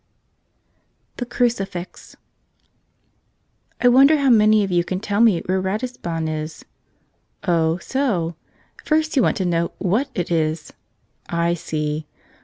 66 ©be Crucffis 1 WONDER how many of you can tell me where Ratisbon is. Oh, so! First you want to know what it is. I see.